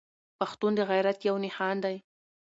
پښتون د غيرت يو نښان دی.